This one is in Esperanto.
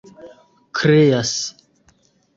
kreas